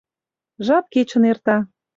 Жап кечын эрта.